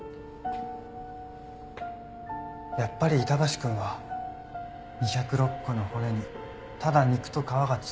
やっぱり板橋くんは２０６個の骨にただ肉と皮がついているだけの人だ。